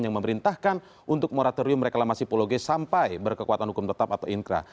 yang memerintahkan untuk moratorium reklamasi pulau g sampai berkekuatan hukum tetap atau inkra